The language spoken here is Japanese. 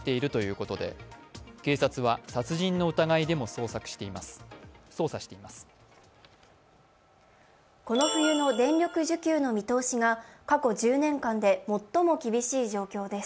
この冬の電力需給の見通しが過去１０年間で最も厳しい状況です。